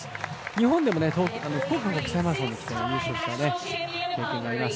日本でも福岡国際マラソンでも優勝した経験があります。